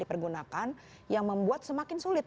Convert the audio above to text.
dipergunakan yang membuat semakin sulit